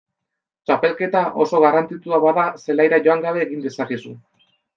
Txapelketa oso garrantzitsua bada zelaira joan gabe egin dezakezu.